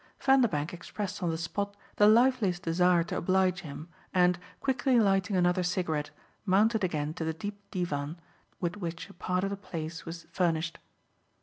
Vanderbank expressed on the spot the liveliest desire to oblige him and, quickly lighting another cigarette, mounted again to the deep divan with which a part of the place was furnished.